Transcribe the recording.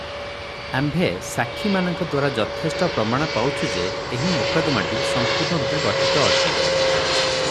ଆମ୍ଭେ ସାକ୍ଷୀମାନଙ୍କ ଦ୍ୱାରା ଯଥେଷ୍ଟ ପ୍ରମାଣ ପାଉଛୁ ଯେ, ଏହି ମକଦ୍ଦମାଟି ସଂପୂର୍ଣ୍ଣରୂପେ ଗଠିତ ଅଟେ ।